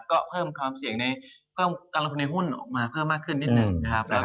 ก็เพิ่มความเสี่ยงในเพิ่มการลงทุนในหุ้นออกมาเพิ่มมากขึ้นนิดหนึ่งนะครับ